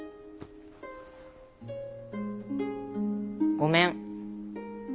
ごめん。